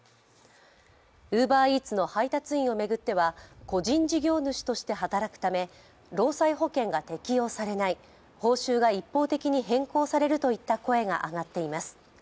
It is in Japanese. ウーバーイーツの配達員を巡っては個人事業主として働くため労災保険が適用されない、報酬が一方的に変更されるといった声が上がっています。